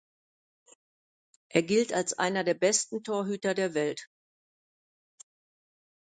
Er gilt als einer der besten Torhüter der Welt.